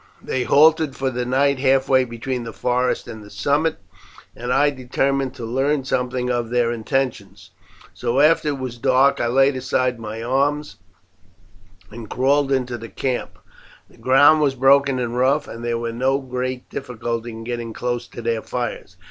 They halted for the night halfway between the forest and the summit, and I determined to learn something of their intentions. So after it was dark I laid aside my arms and crawled into the camp. The ground was broken and rough, and there was no great difficulty in getting close to their fires.